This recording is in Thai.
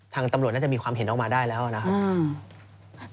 ตำรวจน่าจะมีความเห็นออกมาได้แล้วนะครับ